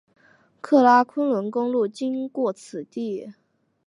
喀喇昆仑公路经过此地。